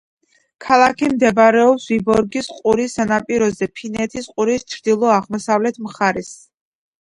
ქალაქი მდებარეობს ვიბორგის ყურის სანაპიროზე, ფინეთის ყურის ჩრდილო-აღმოსავლეთ მხარეს.